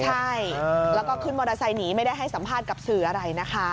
ใช่แล้วก็ขึ้นมอเตอร์ไซค์หนีไม่ได้ให้สัมภาษณ์กับสื่ออะไรนะคะ